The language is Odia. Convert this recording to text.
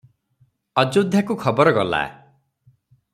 ଅଯୋଧ୍ୟାକୁ ଖବର ଗଲା ।